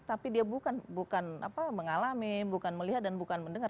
tapi dia bukan mengalami bukan melihat dan bukan mendengar